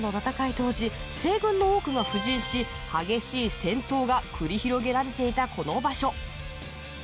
当時西軍の多くが布陣し激しい戦闘が繰り広げられていたこの場所。